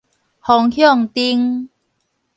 方向燈